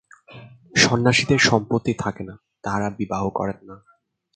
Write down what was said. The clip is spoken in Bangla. সন্ন্যাসীদের সম্পত্তি থাকে না, তাঁহারা বিবাহ করেন না।